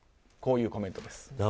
こういうコメントです。